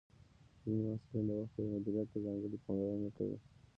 ځینې محصلین د وخت مدیریت ته ځانګړې پاملرنه کوي.